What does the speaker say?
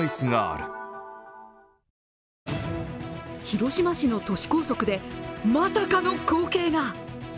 広島市の都市高速で、まさかの光景が。